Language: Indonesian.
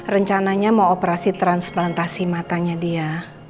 rencananya mau operasi transplantasi matanya dia